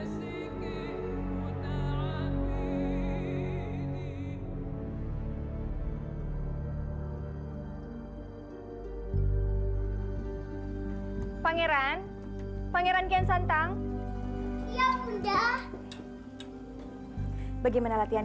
sampai jumpa di video selanjutnya